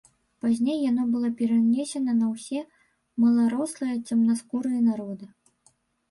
Пазней яно было перанесена на ўсе маларослыя цемнаскурыя народы.